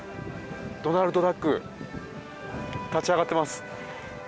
ドナルドダック立ち上がっています。